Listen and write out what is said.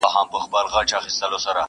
ویل کيږي چي کارګه ډېر زیات هوښیار دی!.